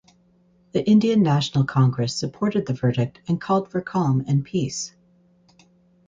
The Indian National Congress supported the verdict and called for calm and peace.